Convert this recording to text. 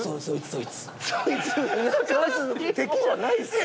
そいつ敵じゃないっすよ。